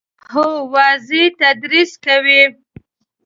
هو، واضح تدریس کوي